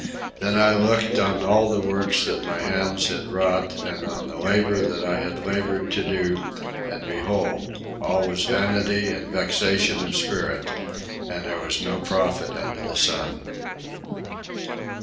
"Then I looked on all the works that my hands had wrought and on the labour that I had laboured to do; and behold, all was vanity and vexation of spirit, and there was no profit under the sun.